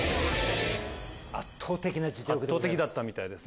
圧倒的な実力です。